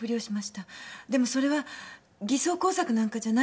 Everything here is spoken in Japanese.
でもそれは偽装工作なんかじゃないんです。